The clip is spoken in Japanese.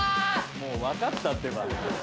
もう分かったって。